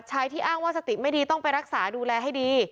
ที่อ้างว่าสติไม่ดีต้องไปรักษาดูแลให้ดี